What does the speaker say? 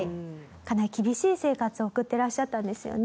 かなり厳しい生活を送ってらっしゃったんですよね。